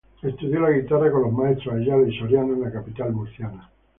Estudió la guitarra con los maestros Ayala y Soriano en la capital murciana.